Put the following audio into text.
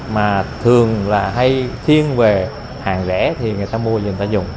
mà thường là hay thiên về hàng rẻ thì người ta mua người ta dùng